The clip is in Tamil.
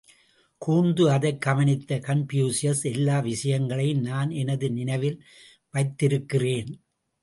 கூர்ந்து அதைக் கவனித்த கன்பூசியஸ், எல்லா விஷயங்களையும் நான் எனது நினைவில் வைத்திருக்கிறேன்.